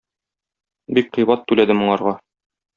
Бик кыйбат түләде моңарга.